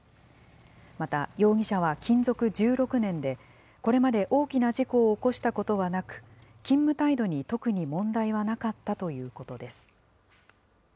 また、容疑者は勤続１６年で、これまで大きな事故を起こしたことはなく、勤務態度に特に問題はなかったということです。